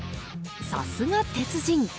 さすが鉄人。